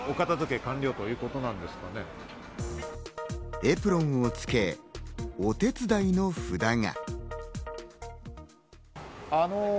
エプロンをつけ、お手伝いの札が。